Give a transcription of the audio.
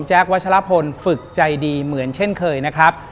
วัชลพลฝึกใจดีเหมือนเช่นเคยนะครับ